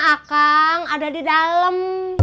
akang ada di dalam